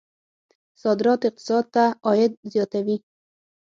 صادرات اقتصاد ته عاید زیاتوي.